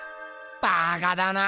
バカだな。